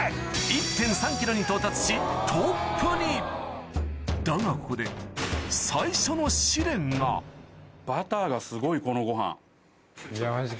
１．３ｋｇに到達しトップにだがここで最初のこのご飯。